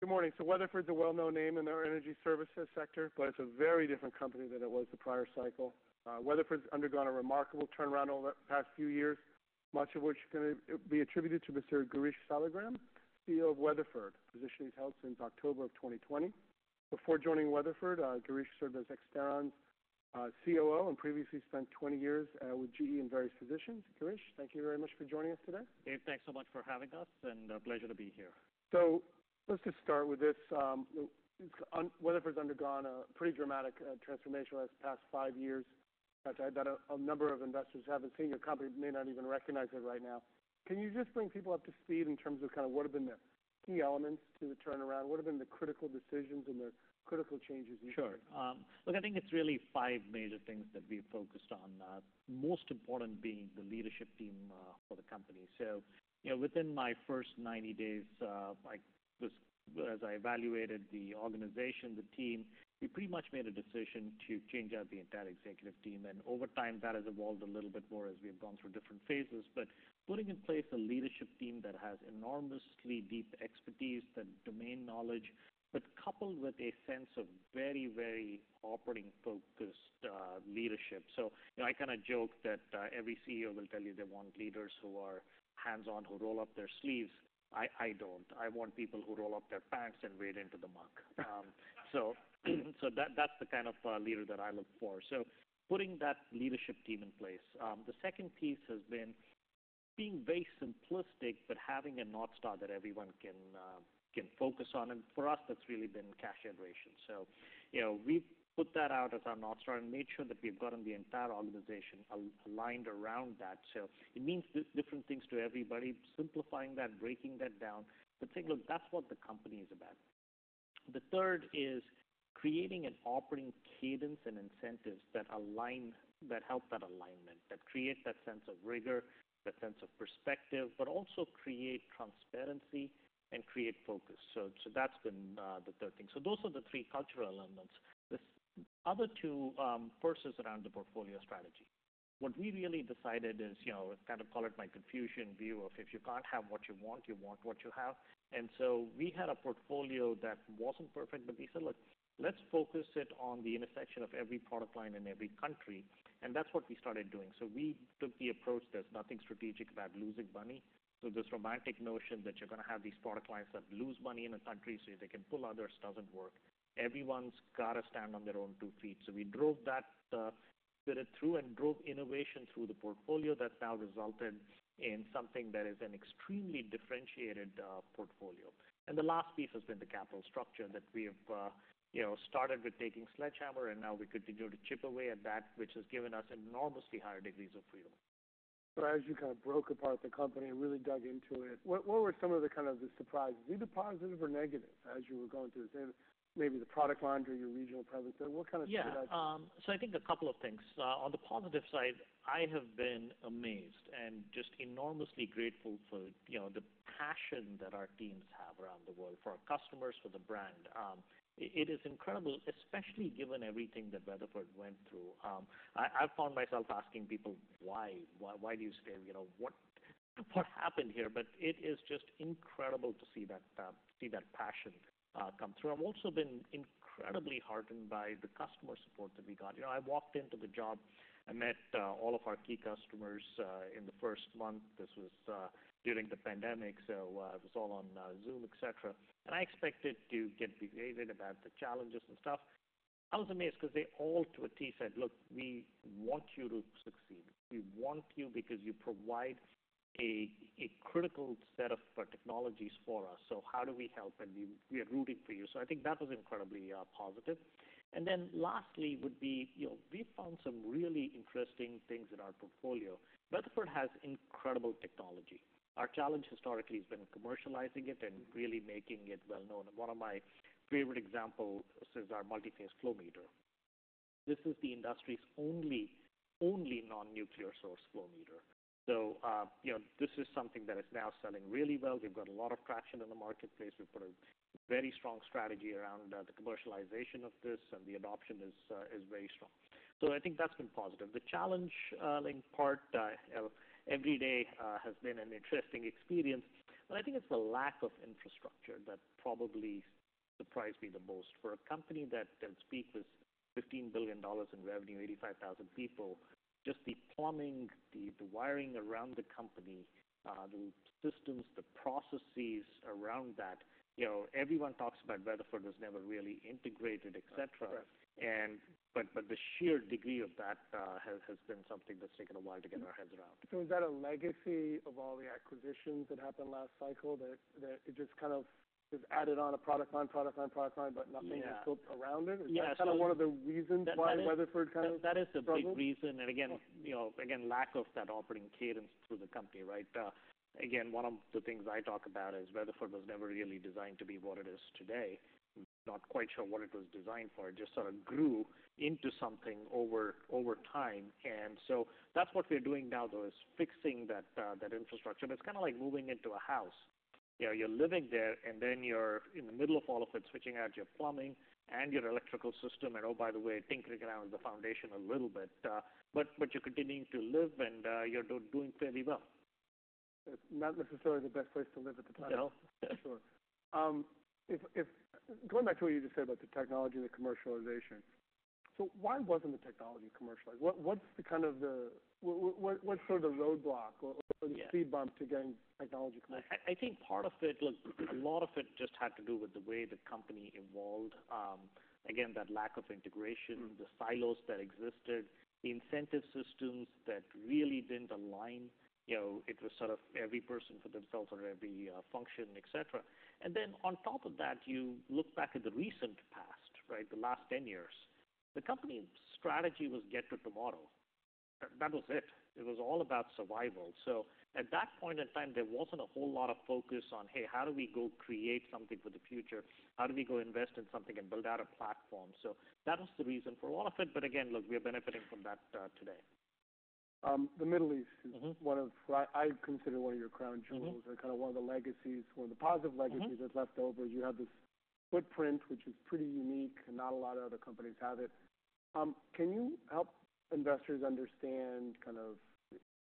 Good morning. So Weatherford is a well-known name in our energy services sector, but it's a very different company than it was the prior cycle. Weatherford's undergone a remarkable turnaround over the past few years, much of which can be attributed to Mr. Girish Saligram, CEO of Weatherford. Position he's held since October of 2020. Before joining Weatherford, Girish served as Exterran's COO and previously spent twenty years with GE in various positions. Girish, thank you very much for joining us today. Dave, thanks so much for having us, and a pleasure to be here. So let's just start with this. Weatherford's undergone a pretty dramatic transformation over the past five years, in fact, a number of investors who haven't seen your company may not even recognize it right now. Can you just bring people up to speed in terms of kind of what have been the key elements to the turnaround? What have been the critical decisions and the critical changes you made? Sure. Look, I think it's really five major things that we've focused on, most important being the leadership team for the company. So, you know, within my first ninety days, as I evaluated the organization, the team, we pretty much made a decision to change out the entire executive team, and over time, that has evolved a little bit more as we've gone through different phases, but putting in place a leadership team that has enormously deep expertise and domain knowledge, but coupled with a sense of very, very operating focused leadership. So, you know, I kind of joke that every CEO will tell you they want leaders who are hands-on, who roll up their sleeves. I don't. I want people who roll up their pants and wade into the muck. So that, that's the kind of leader that I look for. So putting that leadership team in place. The second piece has been being very simplistic, but having a North Star that everyone can focus on. And for us, that's really been cash generation. So, you know, we've put that out as our North Star and made sure that we've gotten the entire organization aligned around that. So it means different things to everybody, simplifying that, breaking that down, but saying, "Look, that's what the company is about." The third is creating an operating cadence and incentives that align, that help that alignment, that create that sense of rigor, that sense of perspective, but also create transparency and create focus. So that's been the third thing. So those are the three cultural elements. The other two, first is around the portfolio strategy. What we really decided is, you know, I kind of call it my confusion view, of if you can't have what you want, you want what you have. And so we had a portfolio that wasn't perfect, but we said: Look, let's focus it on the intersection of every product line in every country. And that's what we started doing. So we took the approach, there's nothing strategic about losing money. So this romantic notion that you're gonna have these product lines that lose money in a country so they can pull others, doesn't work. Everyone's got to stand on their own two feet. So we drove that through and drove innovation through the portfolio. That now resulted in something that is an extremely differentiated portfolio. The last piece has been the capital structure that we have, you know, started with taking Sledgehammer, and now we continue to chip away at that, which has given us enormously higher degrees of freedom. So as you kind of broke apart the company and really dug into it, what, what were some of the, kind of the surprises, either positive or negative, as you were going through this? And maybe the product line or your regional presence, what kind of surprise- Yeah. So I think a couple of things. On the positive side, I have been amazed and just enormously grateful for, you know, the passion that our teams have around the world for our customers, for the brand. It is incredible, especially given everything that Weatherford went through. I found myself asking people, "Why? Why, why do you stay? You know, what, what happened here?" But it is just incredible to see that passion come through. I've also been incredibly heartened by the customer support that we got. You know, I walked into the job and met all of our key customers in the first month. This was during the pandemic, so it was all on Zoom, et cetera. And I expected to get behavior about the challenges and stuff. I was amazed because they all, to a T, said: Look, we want you to succeed. We want you because you provide a critical set of technologies for us. So how do we help? And we are rooting for you. So I think that was incredibly positive. And then lastly would be, you know, we found some really interesting things in our portfolio. Weatherford has incredible technology. Our challenge historically has been commercializing it and really making it well known. And one of my favorite examples is our multiphase flow meter. This is the industry's only, only non-nuclear source flow meter. So, you know, this is something that is now selling really well. We've got a lot of traction in the marketplace. We've got a very strong strategy around the commercialization of this, and the adoption is very strong. So I think that's been positive. The challenge, in part, every day, has been an interesting experience, but I think it's the lack of infrastructure that probably surprised me the most. For a company that speaks with $15 billion in revenue, 85,000 people, just the plumbing, the wiring around the company, the systems, the processes around that, you know, everyone talks about Weatherford was never really integrated, et cetera. Correct. The sheer degree of that has been something that's taken a while to get our heads around. Is that a legacy of all the acquisitions that happened last cycle, that it just kind of added on a product line, but nothing was built around it? Yeah. Is that kind of one of the reasons why Weatherford kind of- That is- -struggled? That is a big reason. And again, you know, lack of that operating cadence through the company, right? Again, one of the things I talk about is Weatherford was never really designed to be what it is today. Not quite sure what it was designed for. It just sort of grew into something over time. And so that's what we're doing now, though, is fixing that infrastructure. It's kind of like moving into a house. You know, you're living there, and then you're in the middle of all of it, switching out your plumbing and your electrical system, and, oh, by the way, tinkering around with the foundation a little bit. But you're continuing to live, and you're doing fairly well.... It's not necessarily the best place to live at the time. No. Sure. If going back to what you just said about the technology and the commercialization, so why wasn't the technology commercialized? What, what's the kind of what, what's sort of the roadblock or- Yeah the speed bump to getting technology commercial? I think part of it, look, a lot of it just had to do with the way the company evolved. Again, that lack of integration- Mm-hmm. The silos that existed, the incentive systems that really didn't align. You know, it was sort of every person for themselves or every, function, et cetera. And then on top of that, you look back at the recent past, right, the last ten years, the company's strategy was get to tomorrow. That was it. It was all about survival. So at that point in time, there wasn't a whole lot of focus on, "Hey, how do we go create something for the future? How do we go invest in something and build out a platform?" So that was the reason for a lot of it. But again, look, we are benefiting from that, today. The Middle East- Mm-hmm is one of. I consider one of your crown jewels. Mm-hmm. Kind of one of the legacies or the positive legacies- Mm-hmm That's left over. You have this footprint, which is pretty unique, and not a lot of other companies have it. Can you help investors understand, kind of,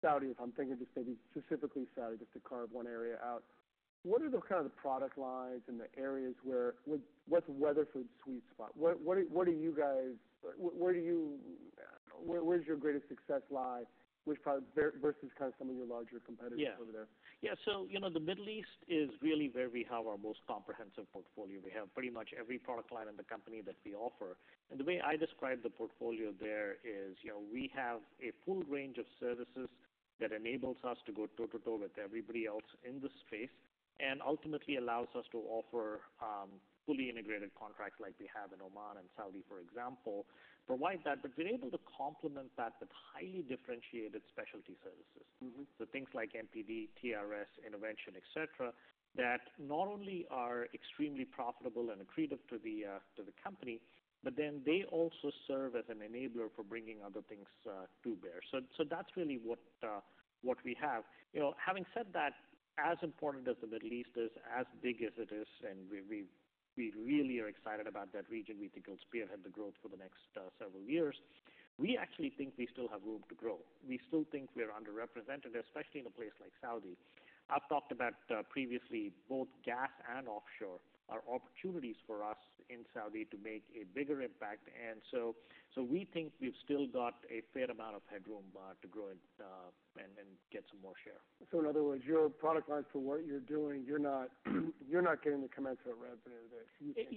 Saudi, if I'm thinking just maybe specifically Saudi, just to carve one area out, what are the kind of the product lines and the areas where... What, what's Weatherford's sweet spot? What, what are, what are you guys-- Where do you, where, where does your greatest success lie, which probably, versus kind of some of your larger competitors- Yeah -over there? Yeah. So, you know, the Middle East is really where we have our most comprehensive portfolio. We have pretty much every product line in the company that we offer. And the way I describe the portfolio there is, you know, we have a full range of services that enables us to go toe-to-toe with everybody else in this space, and ultimately allows us to offer fully integrated contracts like we have in Oman and Saudi, for example. Provide that, but we're able to complement that with highly differentiated specialty services. Mm-hmm. So things like MPD, TRS, intervention, et cetera, that not only are extremely profitable and accretive to the company, but then they also serve as an enabler for bringing other things to bear. So that's really what we have. You know, having said that, as important as the Middle East is, as big as it is, and we really are excited about that region, we think it'll spearhead the growth for the next several years. We actually think we still have room to grow. We still think we are underrepresented, especially in a place like Saudi. I've talked about previously, both gas and offshore are opportunities for us in Saudi to make a bigger impact. And so we think we've still got a fair amount of headroom to grow and get some more share. So in other words, your product line for what you're doing, you're not, you're not getting the commensurate revenue there.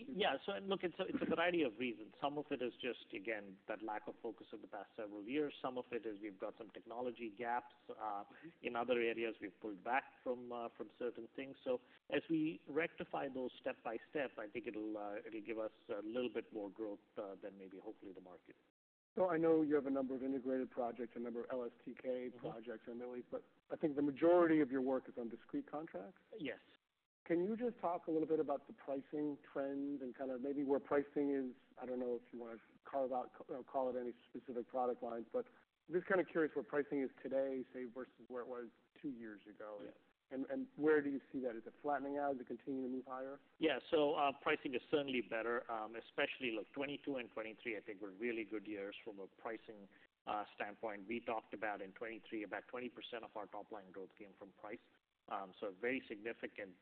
Yeah, so look, it's a variety of reasons. Some of it is just, again, that lack of focus over the past several years. Some of it is we've got some technology gaps. In other areas, we've pulled back from certain things. So as we rectify those step by step, I think it'll give us a little bit more growth than maybe hopefully the market. So I know you have a number of integrated projects, a number of LSTK projects- Mm-hmm In the Middle East, but I think the majority of your work is on discrete contracts? Yes. Can you just talk a little bit about the pricing trends and kind of maybe where pricing is? I don't know if you wanna call it out, call it any specific product lines, but just kind of curious where pricing is today, say, versus where it was two years ago. Yeah. Where do you see that? Is it flattening out? Is it continuing to move higher? Yeah. Pricing is certainly better. Especially, look, 2022 and 2023, I think, were really good years from a pricing standpoint. We talked about in 2023, about 20% of our top line growth came from price. So a very significant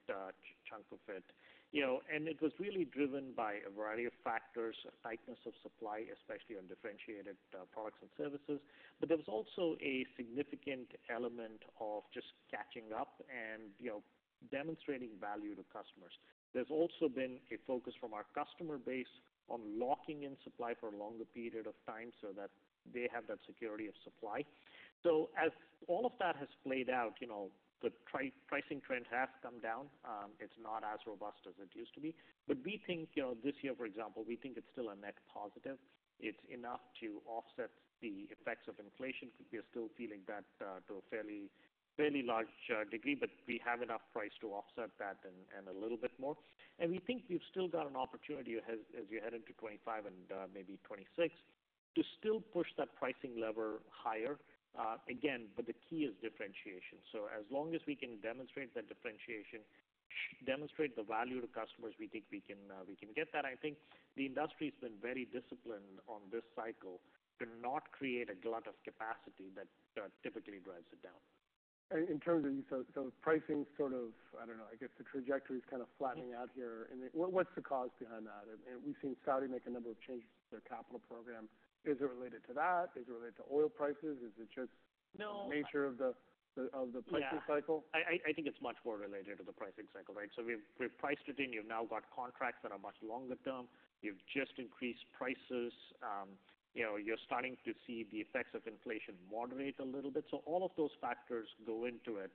chunk of it. You know, and it was really driven by a variety of factors, tightness of supply, especially on differentiated products and services. But there was also a significant element of just catching up and, you know, demonstrating value to customers. There's also been a focus from our customer base on locking in supply for a longer period of time, so that they have that security of supply. So as all of that has played out, you know, the pricing trend has come down. It's not as robust as it used to be. But we think, you know, this year, for example, we think it's still a net positive. It's enough to offset the effects of inflation, because we are still feeling that to a fairly large degree, but we have enough price to offset that and a little bit more. And we think we've still got an opportunity as we head into 2025 and maybe 2026, to still push that pricing lever higher. Again, but the key is differentiation. So as long as we can demonstrate that differentiation, demonstrate the value to customers, we think we can get that. I think the industry's been very disciplined on this cycle to not create a glut of capacity that typically drives it down. In terms of, so pricing sort of, I don't know, I guess the trajectory is kind of flattening out here. And what's the cause behind that? We've seen Saudi make a number of changes to their capital program. Is it related to that? Is it related to oil prices? Is it just- No -the nature of the, the- Yeah -of the pricing cycle? I think it's much more related to the pricing cycle, right? So we've priced it in. You've now got contracts that are much longer term. You've just increased prices. You know, you're starting to see the effects of inflation moderate a little bit. So all of those factors go into it.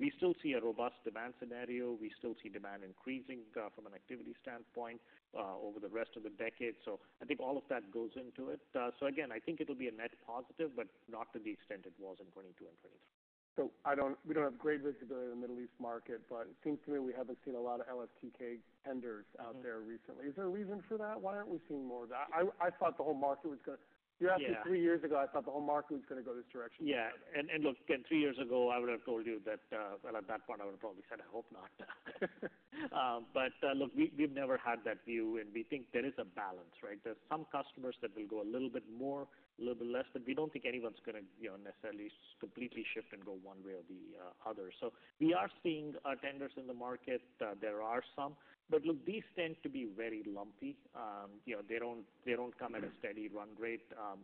We still see a robust demand scenario. We still see demand increasing from an activity standpoint over the rest of the decade. So I think all of that goes into it. So again, I think it'll be a net positive, but not to the extent it was in 2022 and 2023. ... So I don't, we don't have great visibility in the Middle East market, but it seems to me we haven't seen a lot of LSTK tenders out there recently. Is there a reason for that? Why aren't we seeing more of that? I thought the whole market was gonna- Yeah. You asked me three years ago, I thought the whole market was gonna go this direction. Yeah, and look, again, three years ago, I would have told you that, well, at that point I would have probably said, "I hope not," but look, we've never had that view, and we think there is a balance, right? There's some customers that will go a little bit more, a little bit less, but we don't think anyone's gonna, you know, necessarily completely shift and go one way or the other, so we are seeing tenders in the market. There are some, but look, these tend to be very lumpy. You know, they don't, they don't come at a steady run rate,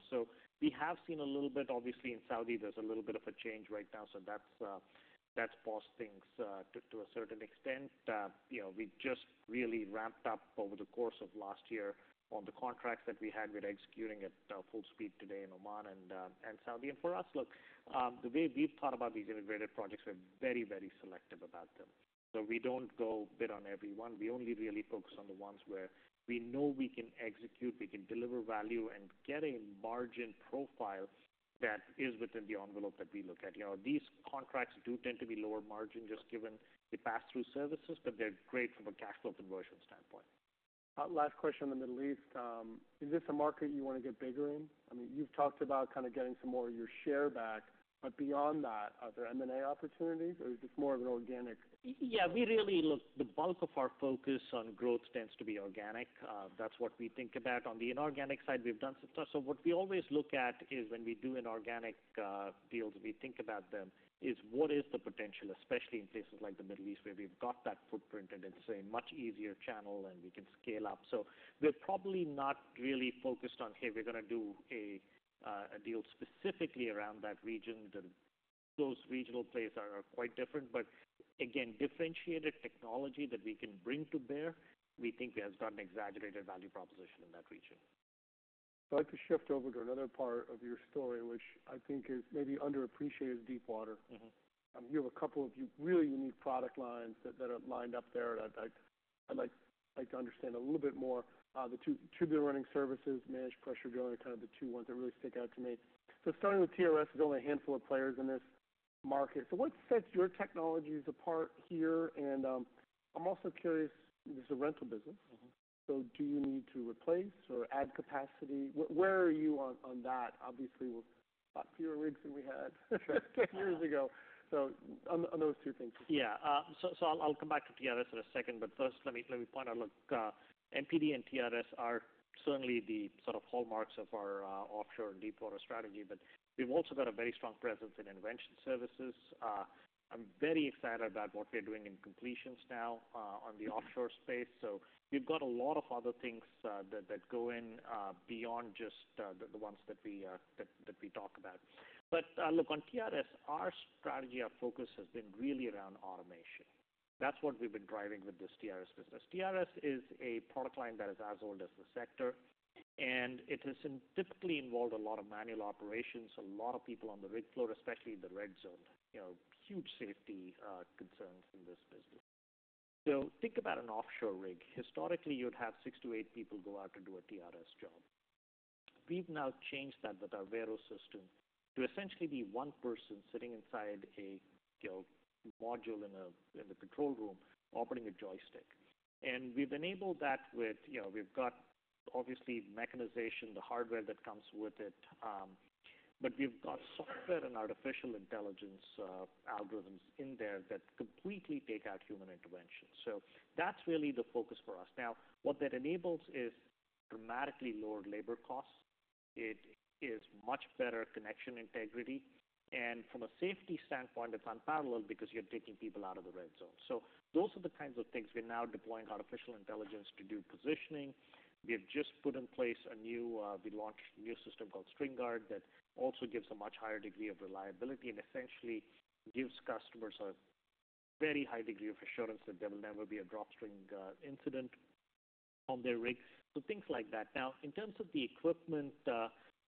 so we have seen a little bit. Obviously, in Saudi, there's a little bit of a change right now, so that's paused things to a certain extent. You know, we just really ramped up over the course of last year on the contracts that we had. We're executing at full speed today in Oman and Saudi. For us, look, the way we've thought about these integrated projects, we're very, very selective about them. So we don't go bid on every one. We only really focus on the ones where we know we can execute, we can deliver value, and get a margin profile that is within the envelope that we look at. You know, these contracts do tend to be lower margin, just given the pass-through services, but they're great from a cash flow conversion standpoint. Last question on the Middle East. Is this a market you wanna get bigger in? I mean, you've talked about kind of getting some more of your share back, but beyond that, are there M&A opportunities, or is this more of an organic? Yeah, we really... Look, the bulk of our focus on growth tends to be organic. That's what we think about. On the inorganic side, we've done some stuff. So what we always look at is when we do inorganic deals, we think about them, is what is the potential, especially in places like the Middle East, where we've got that footprint, and it's a much easier channel, and we can scale up. So we're probably not really focused on, hey, we're gonna do a deal specifically around that region. Those regional plays are quite different, but again, differentiated technology that we can bring to bear, we think has got an exaggerated value proposition in that region. I'd like to shift over to another part of your story, which I think is maybe underappreciated, Deepwater. Mm-hmm. You have a couple of really unique product lines that are lined up there that I'd like to understand a little bit more. The two tubular running services, managed pressure drilling, are kind of the two ones that really stick out to me. So starting with TRS, there's only a handful of players in this market. So what sets your technologies apart here? And, I'm also curious, this is a rental business. Mm-hmm. So do you need to replace or add capacity? Where are you on that? Obviously, we've got fewer rigs than we had two years ago. So on those two things. Yeah. So I'll come back to TRS in a second, but first, let me point out, look, MPD and TRS are certainly the sort of hallmarks of our offshore deepwater strategy, but we've also got a very strong presence in intervention services. I'm very excited about what we're doing in completions now on the offshore space. So we've got a lot of other things that go in beyond just the ones that we talk about. But look, on TRS, our strategy, our focus has been really around automation. That's what we've been driving with this TRS business. TRS is a product line that is as old as the sector, and it has been typically involved a lot of manual operations, a lot of people on the rig floor, especially in the red zone. You know, huge safety concerns in this business, so think about an offshore rig. Historically, you would have six to eight people go out to do a TRS job. We've now changed that with our Vero system to essentially be one person sitting inside a, you know, module in the control room, operating a joystick, and we've enabled that with, you know, we've got obviously mechanization, the hardware that comes with it, but we've got software and artificial intelligence algorithms in there that completely take out human intervention, so that's really the focus for us. Now, what that enables is dramatically lower labor costs. It is much better connection integrity, and from a safety standpoint, it's unparalleled because you're taking people out of the red zone. So those are the kinds of things. We're now deploying artificial intelligence to do positioning. We have just put in place a new, we launched a new system called StringGuard that also gives a much higher degree of reliability and essentially gives customers a very high degree of assurance that there will never be a drop string incident on their rigs, so things like that. Now, in terms of the equipment, you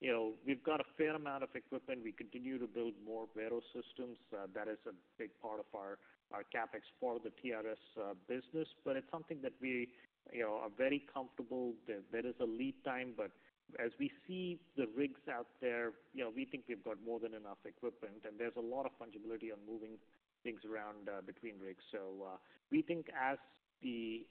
know, we've got a fair amount of equipment. We continue to build more Vero systems. That is a big part of our, our CapEx for the TRS business, but it's something that we, you know, are very comfortable. There is a lead time, but as we see the rigs out there, you know, we think we've got more than enough equipment, and there's a lot of fungibility on moving things around, between rigs. So, we think as the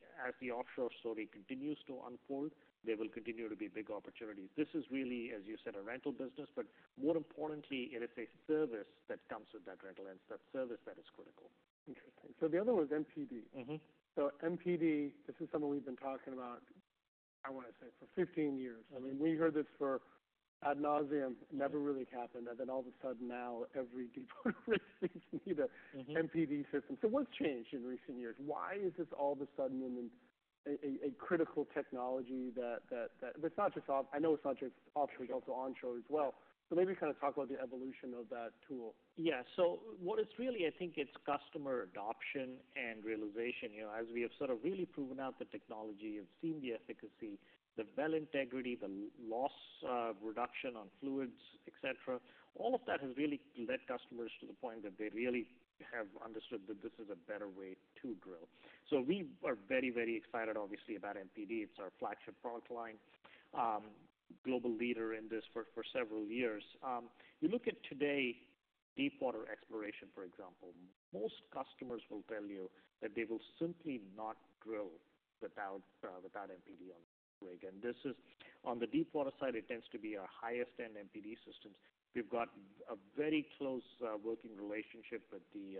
offshore story continues to unfold, there will continue to be big opportunities. This is really, as you said, a rental business, but more importantly, it is a service that comes with that rental, and it's that service that is critical. Interesting. So the other one is MPD. Mm-hmm. So MPD, this is something we've been talking about, I wanna say, for 15 years. I mean, we heard this ad nauseam. It never really happened, and then all of a sudden now, every deepwater rig needs an MPD system. Mm-hmm. So what's changed in recent years? Why is this all of a sudden in a critical technology that... But it's not just offshore, I know. It's not just offshore, it's also onshore as well. So maybe kind of talk about the evolution of that tool. Yeah. So what it's really, I think, it's customer adoption and realization. You know, as we have sort of really proven out the technology and seen the efficacy, the well integrity, the loss reduction on fluids, et cetera, all of that has really led customers to the point that they really have understood that this is a better way to drill. So we are very, very excited, obviously, about MPD. It's our flagship product line. Global leader in this for several years. You look at today, Deepwater exploration, for example, most customers will tell you that they will simply not drill without MPD on the rig. And this is, on the Deepwater side, it tends to be our highest end MPD systems. We've got a very close working relationship with the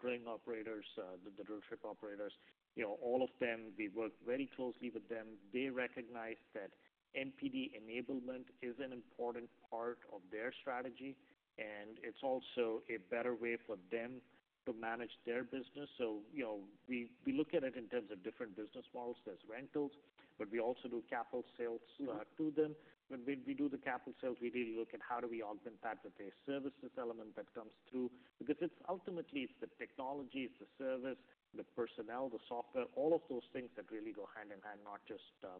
drilling operators, the drillship operators. You know, all of them, we work very closely with them. They recognize that MPD enablement is an important part of their strategy, and it's also a better way for them to manage their business. So, you know, we look at it in terms of different business models. There's rentals, but we also do capital sales to them. When we do the capital sales, we really look at how do we augment that with a services element that comes through. Because it's ultimately, it's the technology, it's the service, the personnel, the software, all of those things that really go hand in hand, not just the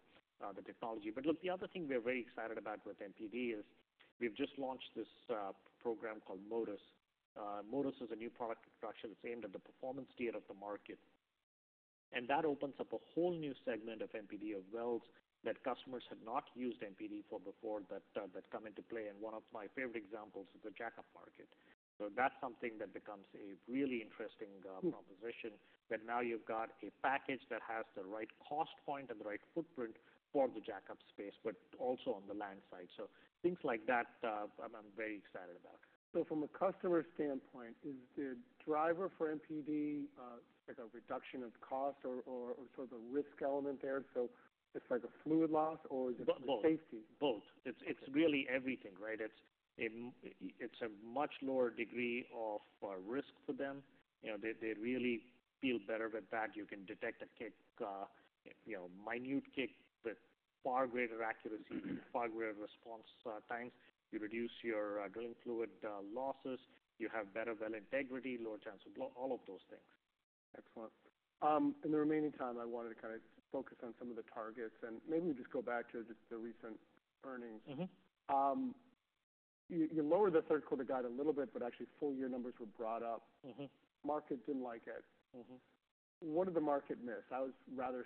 technology. But look, the other thing we're very excited about with MPD is we've just launched this program called Motus. Motus is a new product introduction. It's aimed at the performance tier of the market, and that opens up a whole new segment of MPD, of wells that customers had not used MPD for before, that, that come into play, and one of my favorite examples is the jackup market. So that's something that becomes a really interesting proposition, that now you've got a package that has the right cost point and the right footprint for the jackup space, but also on the land side. So things like that, I'm very excited about. From a customer standpoint, is the driver for MPD like a reduction of cost or sort of a risk element there? So it's like a fluid loss, or is it for safety? Both. Both. It's, it's really everything, right? It's a much lower degree of risk for them. You know, they really feel better with that. You can detect a kick, you know, minute kick with far greater accuracy, far greater response times. You reduce your drilling fluid losses. You have better well integrity, lower chance of blow, all of those things. Excellent. In the remaining time, I wanted to kind of focus on some of the targets, and maybe we just go back to just the recent earnings. Mm-hmm. You lowered the third quarter guide a little bit, but actually full year numbers were brought up. Mm-hmm. Market didn't like it. Mm-hmm. What did the market miss? I was rather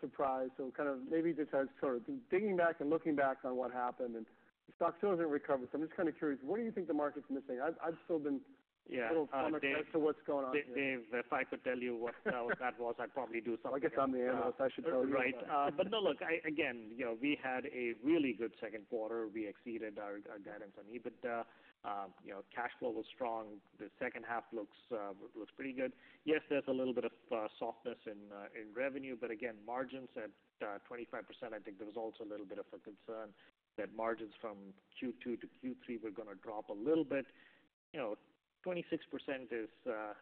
surprised. So kind of maybe just as sort of digging back and looking back on what happened, and the stock still hasn't recovered, so I'm just kind of curious. What do you think the market's missing? I've still been- Yeah. A little surprised as to what's going on here. Dave, if I could tell you what that was, I'd probably do something- I guess I'm the analyst. I should tell you. Right. But no, look, again, you know, we had a really good second quarter. We exceeded our guidance on EBITDA. You know, cash flow was strong. The second half looks pretty good. Yes, there's a little bit of softness in revenue, but again, margins at 25%, I think there was also a little bit of a concern that margins from Q2 to Q3 were gonna drop a little bit. You know, 26% is,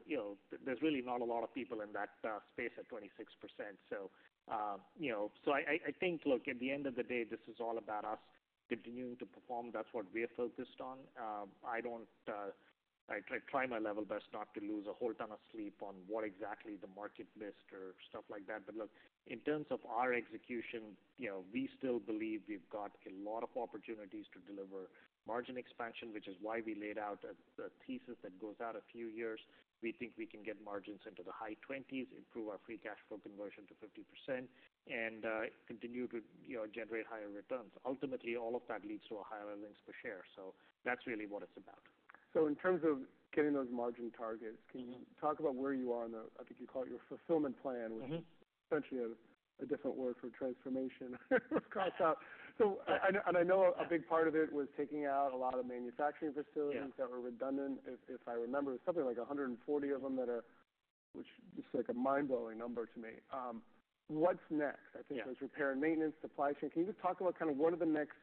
you know, there's really not a lot of people in that space at 26%. So, you know, so I think, look, at the end of the day, this is all about us continuing to perform. That's what we are focused on. I try my level best not to lose a whole ton of sleep on what exactly the market missed or stuff like that. But look, in terms of our execution, you know, we still believe we've got a lot of opportunities to deliver margin expansion, which is why we laid out a thesis that goes out a few years. We think we can get margins into the high twenties, improve our free cash flow conversion to 50%, and continue to, you know, generate higher returns. Ultimately, all of that leads to a higher earnings per share. So that's really what it's about. So in terms of getting those margin targets- Mm-hmm. Can you talk about where you are on the, I think you call it your fulfillment plan? Mm-hmm. -which is essentially a different word for transformation, cross out. So I, and I know a big part of it was taking out a lot of manufacturing facilities- Yeah. that were redundant. If I remember, something like a hundred and forty of them that are... Which just like a mind-blowing number to me. What's next? Yeah. I think there's repair and maintenance, supply chain. Can you just talk about kind of what are the next-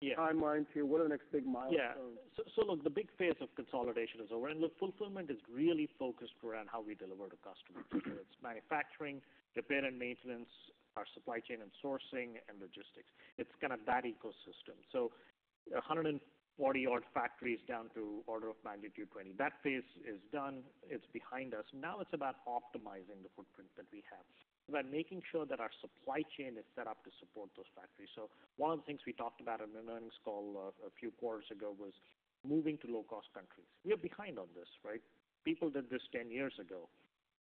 Yeah Timelines here? What are the next big milestones? Yeah. So, so look, the big phase of consolidation is over, and look, fulfillment is really focused around how we deliver to customers. Whether it's manufacturing, repair and maintenance, our supply chain and sourcing, and logistics. It's kind of that ecosystem. So 140 odd factories down to order of magnitude 20. That phase is done. It's behind us. Now it's about optimizing the footprint that we have, about making sure that our supply chain is set up to support those factories. So one of the things we talked about in an earnings call a few quarters ago was moving to low-cost countries. We are behind on this, right? People did this 10 years ago.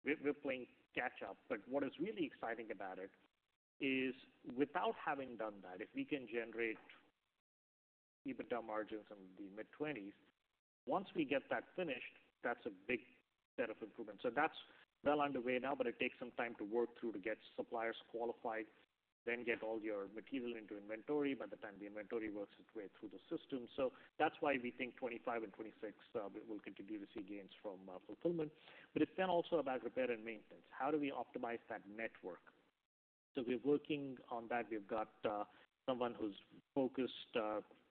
We're playing catch up, but what is really exciting about it is, without having done that, if we can generate EBITDA margins in the mid-20s%, once we get that finished, that's a big set of improvements. So that's well underway now, but it takes some time to work through to get suppliers qualified, then get all your material into inventory, by the time the inventory works its way through the system. So that's why we think 2025 and 2026, we will continue to see gains from fulfillment. But it's then also about repair and maintenance. How do we optimize that network? So we're working on that. We've got someone who's focused,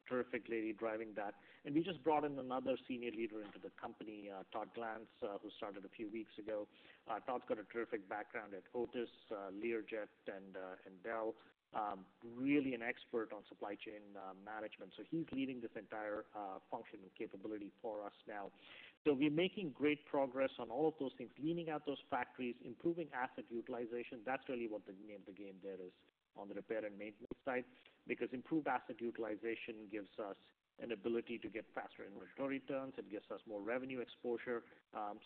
terrific lady driving that, and we just brought in another senior leader into the company, Todd Glanzer, who started a few weeks ago. Todd's got a terrific background at Otis, Learjet, and Dell. Really an expert on supply chain management, so he's leading this entire function and capability for us now. So we're making great progress on all of those things, leaning out those factories, improving asset utilization. That's really what the name of the game there is on the repair and maintenance side, because improved asset utilization gives us an ability to get faster inventory turns. It gives us more revenue exposure.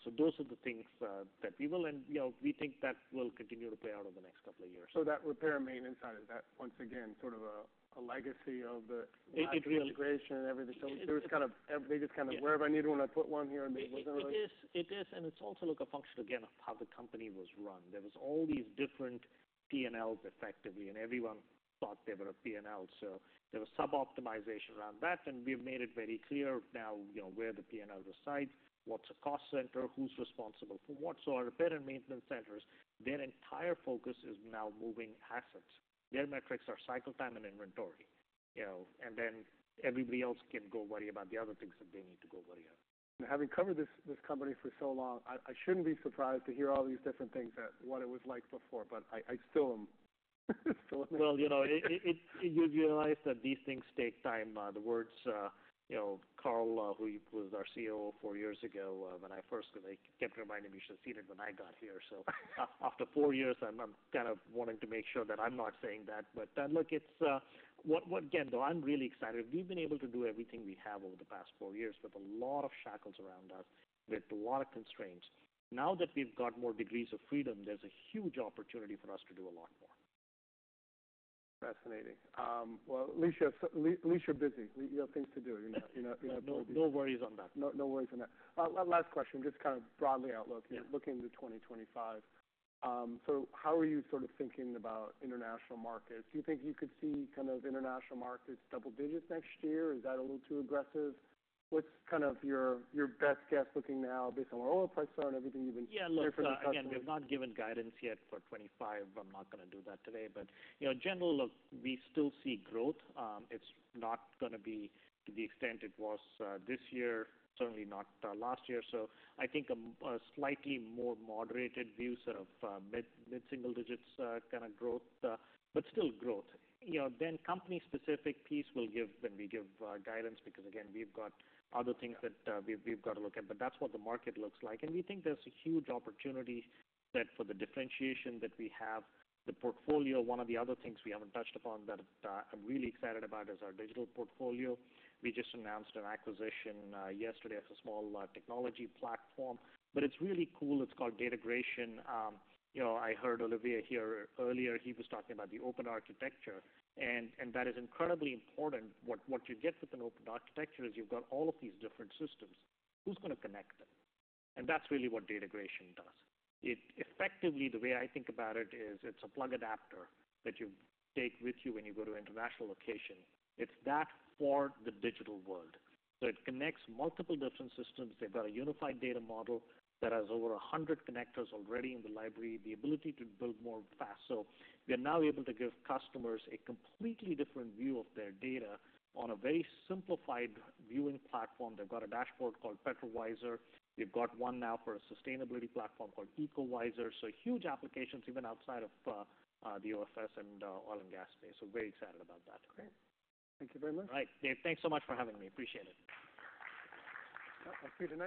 So those are the things that we will, and you know, we think that will continue to play out over the next couple of years. So that repair and maintenance side, is that, once again, sort of a legacy of the- It is. Last integration and everything? It is. They just kind of- Yeah. Wherever I need one, I put one here, and there wasn't really. It is, it is, and it's also, look, a function, again, of how the company was run. There was all these different PNLs effectively, and everyone thought they were a PNL. So there was sub-optimization around that, and we've made it very clear now, you know, where the PNL resides, what's a cost center, who's responsible for what. So our repair and maintenance centers, their entire focus is now moving assets. Their metrics are cycle time and inventory, you know, and then everybody else can go worry about the other things that they need to go worry about. Having covered this company for so long, I shouldn't be surprised to hear all these different things that what it was like before, but I still am. You know, you realize that these things take time. You know, Karl, who was our CEO four years ago, when I first came, he kept reminding me, he should have seen it when I got here. So after four years, I'm kind of wanting to make sure that I'm not saying that. But look, it's. Again, though, I'm really excited. We've been able to do everything we have over the past four years with a lot of shackles around us, with a lot of constraints. Now that we've got more degrees of freedom, there's a huge opportunity for us to do a lot more. Fascinating. At least you're busy. You have things to do, you know? You're not- No, no worries on that. No, no worries on that. Last question, just kind of broadly outlook- Yeah. looking into 2025. So how are you sort of thinking about international markets? Do you think you could see kind of international markets double digits next year? Is that a little too aggressive? What's kind of your best guess looking now, based on where oil prices are and everything you've been- Yeah, look- Hear from the customers? Again, we've not given guidance yet for 2025. I'm not gonna do that today. But, you know, general, look, we still see growth. It's not gonna be to the extent it was this year, certainly not last year. So I think a slightly more moderated view, sort of mid-single digits kind of growth, but still growth. You know, then company-specific piece will give, when we give guidance, because again, we've got other things that we've got to look at, but that's what the market looks like. And we think there's a huge opportunity that for the differentiation that we have, the portfolio, one of the other things we haven't touched upon that I'm really excited about is our digital portfolio. We just announced an acquisition yesterday, as a small technology platform, but it's really cool. It's called Datagration. You know, I heard Olivier here earlier. He was talking about the open architecture, and that is incredibly important. What you get with an open architecture is you've got all of these different systems. Who's gonna connect them? And that's really what Datagration does. It effectively, the way I think about it is, it's a plug adapter that you take with you when you go to an international location. It's that for the digital world. So it connects multiple different systems. They've got a unified data model that has over a hundred connectors already in the library, the ability to build more fast. So we are now able to give customers a completely different view of their data on a very simplified viewing platform. They've got a dashboard called PetroVisor. They've got one now for a sustainability platform called EcoVisor. So huge applications, even outside of the OFS and oil and gas space. So very excited about that. Great. Thank you very much. All right, Dave, thanks so much for having me. Appreciate it. Appreciate it, Nick.